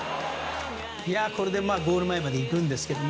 これでゴール前まで行くんですけど。